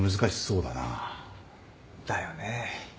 だよねぇ。